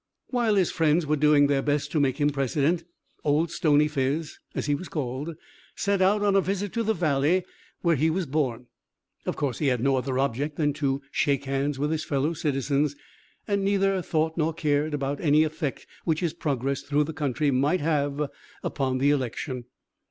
While his friends were doing their best to make him President, Old Stony Phiz, as he was called, set out on a visit to the valley where he was born. Of course, he had no other object than to shake hands with his fellow citizens, and neither thought nor cared about any effect which his progress through the country might have upon the election.